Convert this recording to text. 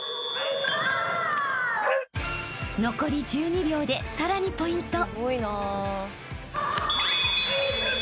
［残り１２秒でさらにポイント］ＯＫ！